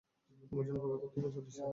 আমার জন্য অপেক্ষা করতে বলেছিলাম।